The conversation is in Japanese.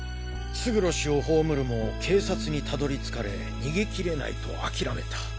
勝呂氏を葬るも警察に辿り着かれ逃げ切れないと諦めた。